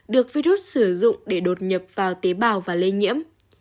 được virus sử dụng để đột nhập vào tế bào và lây nhiễm